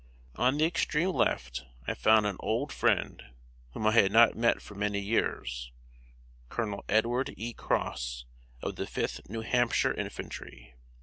On the extreme left I found an old friend whom I had not met for many years Colonel Edward E. Cross, of the Fifth New Hampshire Infantry.